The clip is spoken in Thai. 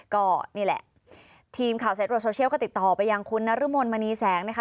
ก็นี่แหละทีมข่าวสายตรวจโซเชียลก็ติดต่อไปยังคุณนรมนมณีแสงนะคะ